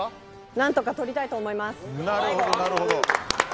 何とか取りたいと思います。